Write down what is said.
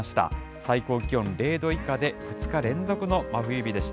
最高気温０度以下で、２日連続の真冬日でした。